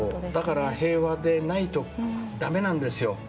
だから平和でないとだめなんです。